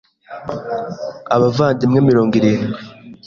abavandimwe mirongo irindwi